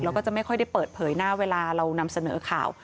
แล้วก็จะไม่ค่อยได้เปิดเผยหน้าเวลาเรานำเสนอข่าว